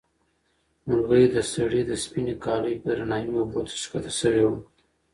مرغۍ د سړي د سپینې کالیو په درناوي اوبو ته ښکته شوې وه.